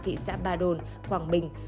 thị xã ba đồn quảng bình